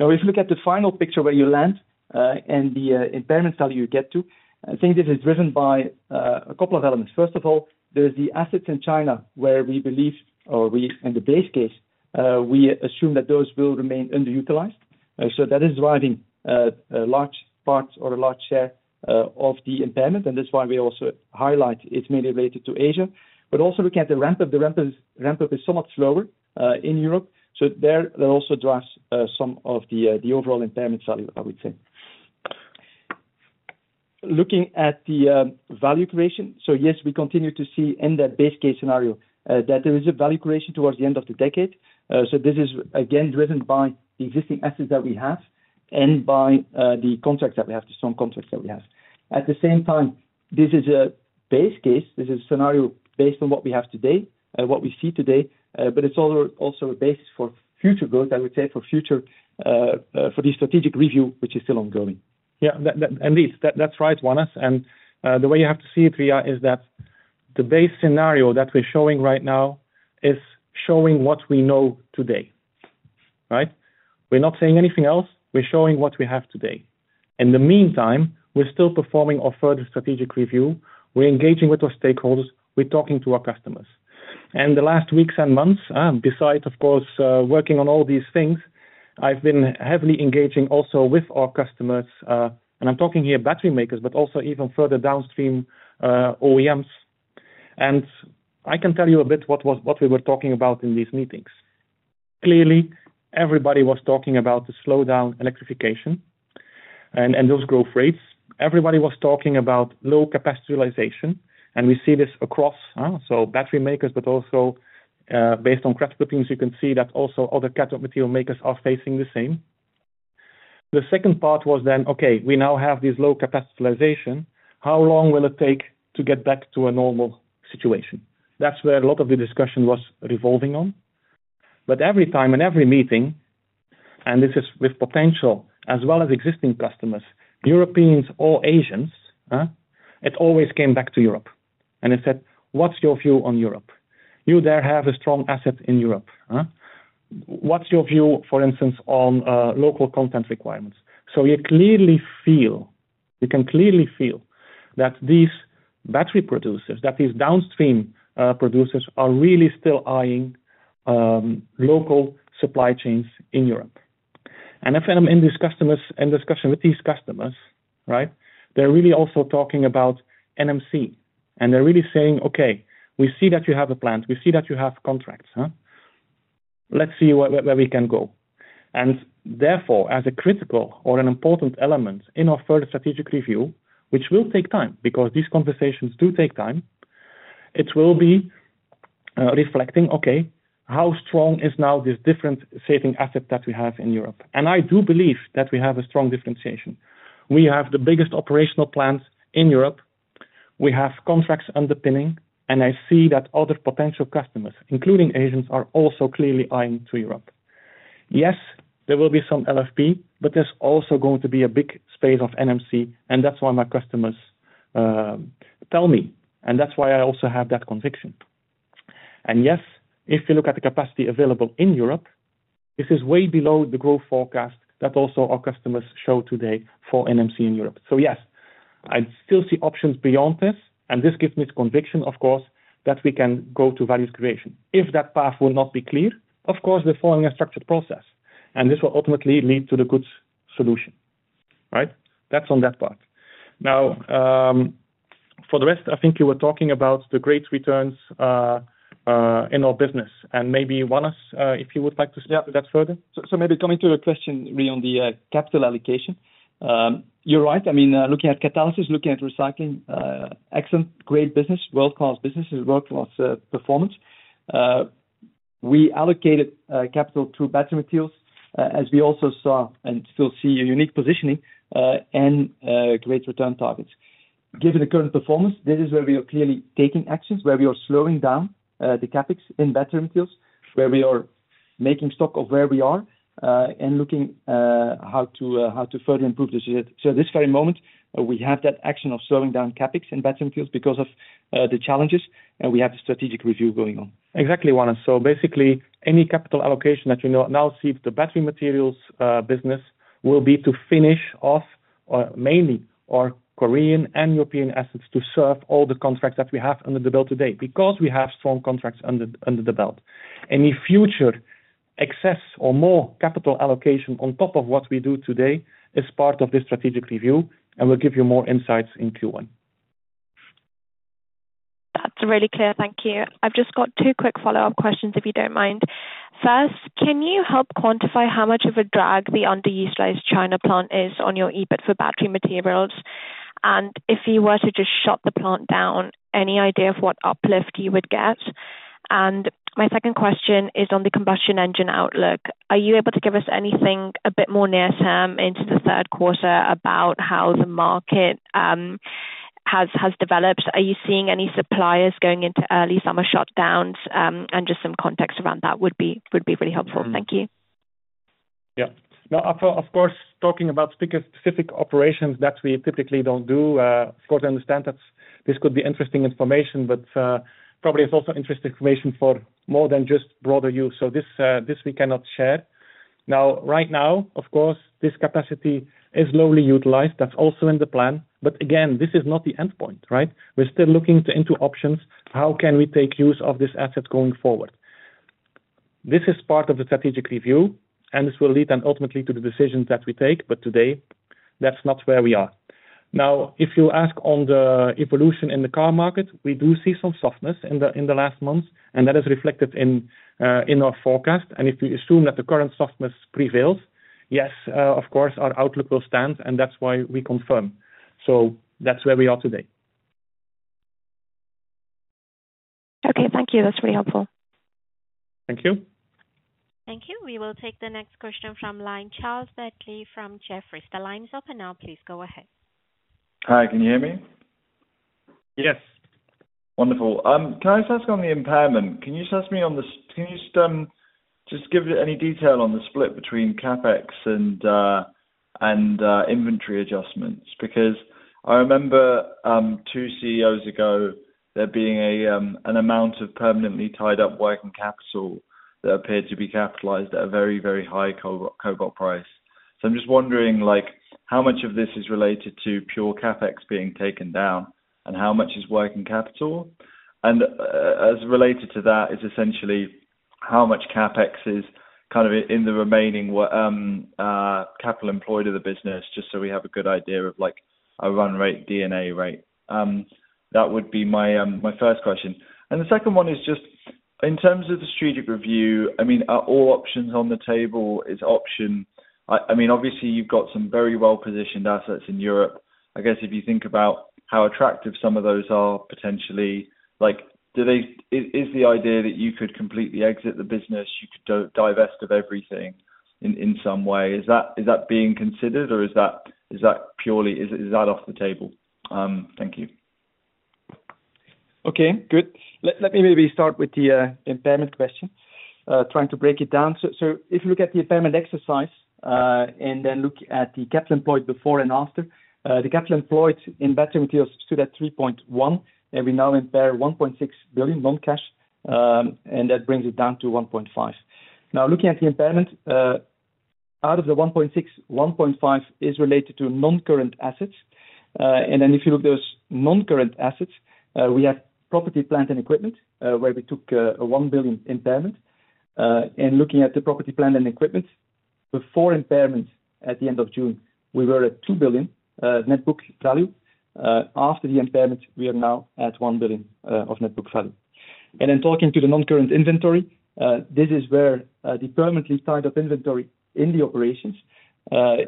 Now, if you look at the final picture where you land and the impairment value you get to, I think this is driven by a couple of elements. First of all, there's the assets in China where we believe, or in the base case, we assume that those will remain underutilized. That is driving a large part or a large share of the impairment. That's why we also highlight it's mainly related to Asia. Also looking at the ramp-up, the ramp-up is somewhat slower in Europe. There also drives some of the overall impairment value, I would say. Looking at the value creation, yes, we continue to see in that base case scenario that there is a value creation towards the end of the decade. This is again driven by the existing assets that we have and by the contracts that we have, the strong contracts that we have. At the same time, this is a base case. This is a scenario based on what we have today, what we see today, but it's also a basis for future growth, I would say, for future, for the strategic review, which is still ongoing. Yeah. Indeed. That's right, Wannes. The way you have to see it, Riya, is that the base scenario that we're showing right now is showing what we know today, right? We're not saying anything else. We're showing what we have today. In the meantime, we're still performing our further strategic review. We're engaging with our stakeholders. We're talking to our customers. And the last weeks and months, besides, of course, working on all these things, I've been heavily engaging also with our customers. And I'm talking here battery makers, but also even further downstream OEMs. And I can tell you a bit what we were talking about in these meetings. Clearly, everybody was talking about the slowdown, electrification, and those growth rates. Everybody was talking about low capacity utilization. And we see this across, so battery makers, but also based on cathode materials, you can see that also other catalytic material makers are facing the same. The second part was then, okay, we now have this low capacity utilization. How long will it take to get back to a normal situation? That's where a lot of the discussion was revolving on. But every time and every meeting, and this is with potential as well as existing customers, Europeans or Asians, it always came back to Europe. And it said, "What's your view on Europe? You there have a strong asset in Europe. What's your view, for instance, on local content requirements?" So you clearly feel, you can clearly feel that these battery producers, that these downstream producers are really still eyeing local supply chains in Europe. And if I'm in this discussion with these customers, right, they're really also talking about NMC. And they're really saying, "Okay, we see that you have a plant. We see that you have contracts. Let's see where we can go." And therefore, as a critical or an important element in our further strategic review, which will take time because these conversations do take time, it will be reflecting, okay, how strong is now this differentiating asset that we have in Europe? And I do believe that we have a strong differentiation. We have the biggest operational plants in Europe. We have contracts underpinning. And I see that other potential customers, including Asians, are also clearly eyeing to Europe. Yes, there will be some LFP, but there's also going to be a big space of NMC. And that's why my customers tell me. And that's why I also have that conviction. And yes, if you look at the capacity available in Europe, this is way below the growth forecast that also our customers show today for NMC in Europe. So yes, I still see options beyond this. And this gives me the conviction, of course, that we can go to value creation. If that path will not be clear, of course, we're following a structured process. And this will ultimately lead to the good solution, right? That's on that part. Now, for the rest, I think you were talking about the great returns in our business. And maybe, Wannes, if you would like to speak to that further. So maybe coming to your question, Riya, on the capital allocation, you're right. I mean, looking at Catalysis, looking at Recycling, excellent, great business, world-class businesses, world-class performance. We allocated capital to Battery Materials as we also saw and still see a unique positioning and great return targets. Given the current performance, this is where we are clearly taking actions, where we are slowing down the CapEx in Battery Materials, where we are taking stock of where we are and looking how to further improve the shift. So at this very moment, we have that action of slowing down CapEx in Battery Materials because of the challenges. And we have the strategic review going on. Exactly, Wannes. So basically, any capital allocation that we now see to the Battery Materials business will be to finish off mainly our Korean and European assets to serve all the contracts that we have under the belt today because we have strong contracts under the belt. Any future excess or more capital allocation on top of what we do today is part of this strategic review. And we'll give you more insights in Q1. That's really clear. Thank you. I've just got two quick follow-up questions if you don't mind. First, can you help quantify how much of a drag the underutilized China plant is on your EBIT for Battery Materials? And if you were to just shut the plant down, any idea of what uplift you would get? And my second question is on the combustion engine outlook. Are you able to give us anything a bit more near-term into the third quarter about how the market has developed? Are you seeing any suppliers going into early summer shutdowns? And just some context around that would be really helpful. Thank you. Yeah. Now, of course, talking about specific operations that we typically don't do, of course, I understand that this could be interesting information, but probably it's also interesting information for more than just broader use. So this we cannot share. Now, right now, of course, this capacity is slowly utilized. That's also in the plan. But again, this is not the endpoint, right? We're still looking into options. How can we take use of this asset going forward? This is part of the strategic review. And this will lead then ultimately to the decisions that we take. But today, that's not where we are. Now, if you ask on the evolution in the car market, we do see some softness in the last months. And that is reflected in our forecast. And if you assume that the current softness prevails, yes, of course, our outlook will stand. And that's why we confirm. So that's where we are today. Okay. Thank you. That's really helpful. Thank you. Thank you. We will take the next question from the line of Charlie Bentley from Jefferies. The line is open now. Please go ahead. Hi. Can you hear me? Yes. Wonderful. Can I just ask on the impairment? Can you just give any detail on the split between CapEx and inventory adjustments? Because I remember two CEOs ago, there being an amount of permanently tied-up working capital that appeared to be capitalized at a very, very high cobalt price. So I'm just wondering how much of this is related to pure CapEx being taken down and how much is working capital. And as related to that is essentially how much CapEx is kind of in the remaining capital employed in the business, just so we have a good idea of a run rate, D&A rate. That would be my first question. And the second one is just in terms of the strategic review, I mean, are all options on the table? Is option I mean, obviously, you've got some very well-positioned assets in Europe. I guess if you think about how attractive some of those are potentially, is the idea that you could completely exit the business, you could divest of everything in some way, is that being considered? Or is that purely is that off the table? Thank you. Okay. Good. Let me maybe start with the impairment question, trying to break it down. So if you look at the impairment exercise and then look at the capital employed before and after, the capital employed in Battery Materials stood at 3.1 billion. And we now impair 1.6 billion non-cash. And that brings it down to 1.5 billion. Now, looking at the impairment, out of the 1.6, 1.5 billion is related to non-current assets. And then if you look at those non-current assets, we have property, plant, and equipment where we took a 1 billion impairment. And looking at the property, plant, and equipment, before impairment at the end of June, we were at 2 billion net book value. After the impairment, we are now at 1 billion of net book value. And then talking to the non-current inventory, this is where the permanently tied-up inventory in the operations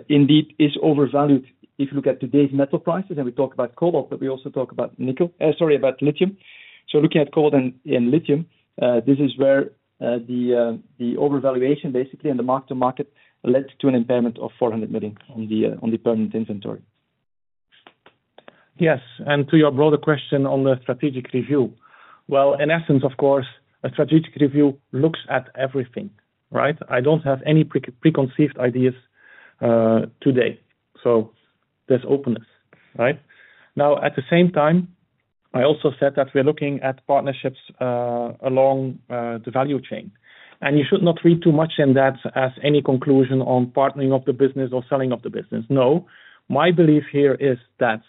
indeed is overvalued. If you look at today's metal prices, and we talk about cobalt, but we also talk about nickel, sorry, about lithium. So looking at cobalt and lithium, this is where the overvaluation basically and the mark-to-market led to an impairment of 400 million on the permanent inventory. Yes. And to your broader question on the strategic review, well, in essence, of course, a strategic review looks at everything, right? I don't have any preconceived ideas today. So there's openness, right? Now, at the same time, I also said that we're looking at partnerships along the value chain. And you should not read too much in that as any conclusion on partnering of the business or selling of the business. No. My belief here is that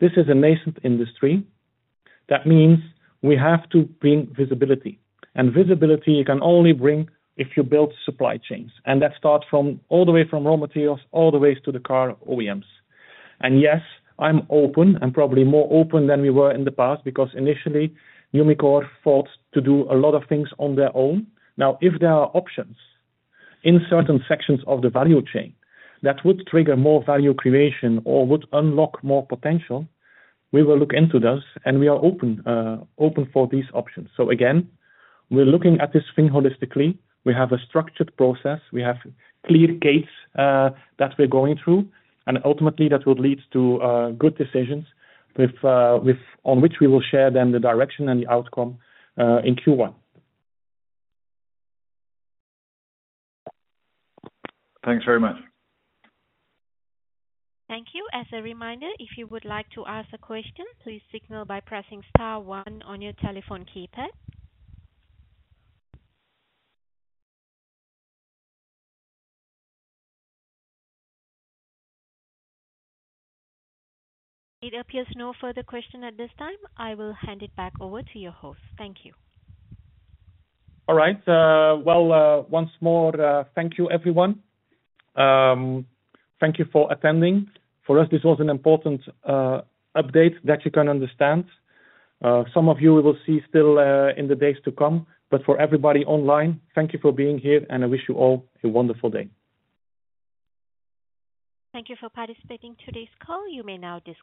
this is a nascent industry. That means we have to bring visibility. And visibility you can only bring if you build supply chains. That starts all the way from raw materials all the way to the car OEMs. Yes, I'm open and probably more open than we were in the past because initially, Umicore fought to do a lot of things on their own. Now, if there are options in certain sections of the value chain that would trigger more value creation or would unlock more potential, we will look into those. We are open for these options. Again, we're looking at this thing holistically. We have a structured process. We have clear gates that we're going through. Ultimately, that will lead to good decisions on which we will share then the direction and the outcome in Q1. Thanks very much. Thank you. As a reminder, if you would like to ask a question, please signal by pressing star one on your telephone keypad. It appears no further question at this time. I will hand it back over to your host. Thank you. All right. Well, once more, thank you, everyone. Thank you for attending. For us, this was an important update that you can understand. Some of you we will see still in the days to come. But for everybody online, thank you for being here. And I wish you all a wonderful day. Thank you for participating in today's call. You may now disconnect.